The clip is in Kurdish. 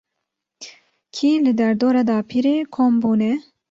Kî li derdora dapîrê kom bûne?